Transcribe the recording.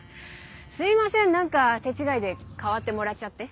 すいません何か手違いで代わってもらっちゃって。